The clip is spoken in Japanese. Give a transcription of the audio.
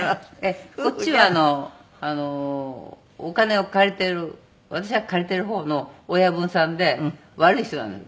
こっちはお金を借りている私が借りている方の親分さんで悪い人なんです。